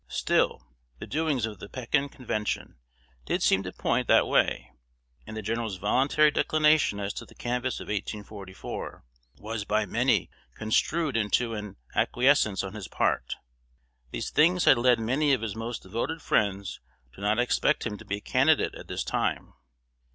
Still, the doings of the Pekin Convention did seem to point that way; and the general's voluntary declination as to the canvass of 1844 was by many construed into an acquiescence on his part. These things had led many of his most devoted friends to not expect him to be a candidate at this time.